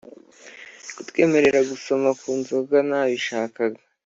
kutwemerera gusoma ku nzoga nabishakaga